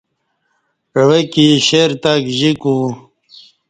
عوہ کی شیر تہ گجیکو